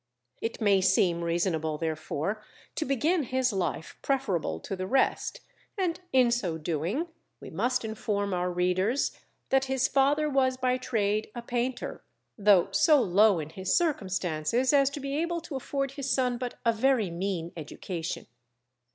It may seem reasonable therefore, to begin his life preferable to the rest, and in so doing we must inform our readers that his father was by trade a painter, though so low in his circumstances as to be able to afford his son but a very mean education.